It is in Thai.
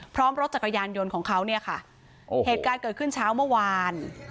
พร้อมรถจักรยานยนต์ของเขาเนี่ยค่ะเหตุการณ์เกิดขึ้นเช้าเมื่อวาน